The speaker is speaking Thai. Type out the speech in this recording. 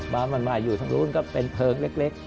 บ้านมันมาอยู่ทางนู้นก็เป็นเพลิงเล็ก